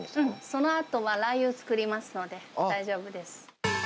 そのあと、ラー油作りますので、大丈夫です。